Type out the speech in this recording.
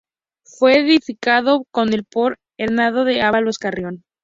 Fue edificado en el por Hernando de Ávalos Carrión.